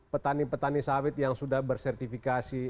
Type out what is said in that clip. petani petani sawit yang sudah bersertifikasi